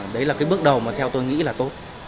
đấy là cái bước đầu mà theo tôi nghĩ là tốt